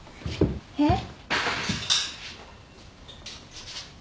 えっ？